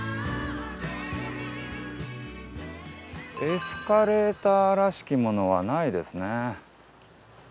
エスカレーターらしきものはないですね。